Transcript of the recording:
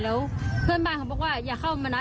แล้วเพื่อนบ้านเขาบอกว่าอย่าเข้ามานะ